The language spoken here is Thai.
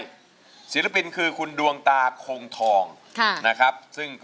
และสฤพฤษฎีคือคุณดวงตาโคงทอง